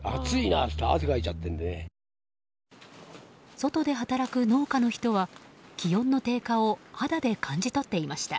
外で働く農家の人は気温の低下を肌で感じ取っていました。